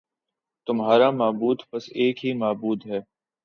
تمہارا معبود بس ایک ہی معبود ہے